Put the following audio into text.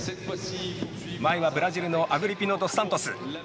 前は、ブラジルのアグリピノドスサントス。